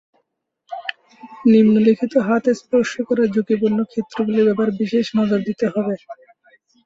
নিম্নলিখিত হাত স্পর্শ করার ঝুঁকিপূর্ণ ক্ষেত্রগুলির ব্যাপারে বিশেষ নজর দিতে হবে।